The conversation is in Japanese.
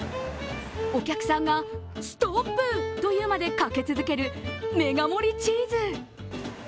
お客さんが、ストップと言うまでかけ続けるメガ盛りチーズ。